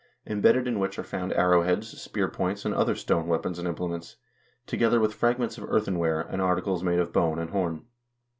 embedded in which are found arrowheads, spear points, and other stone weapons and implements, together with fragments of earthenware, and articles made of bone and horn.